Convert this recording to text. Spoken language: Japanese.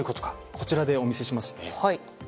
こちらでお見せしますね。